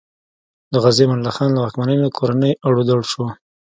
د غازي امان الله خان له واکمنۍ نه کورنی اړو دوړ شو.